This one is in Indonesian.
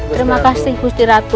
terima kasih gusti ratu